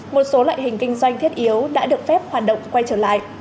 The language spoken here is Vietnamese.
một số loại hình kinh doanh thiết yếu đã được phép hoạt động quay trở lại